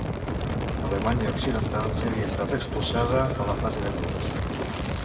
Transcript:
Alemanya Occidental ja havia estat expulsada a la fase de grups.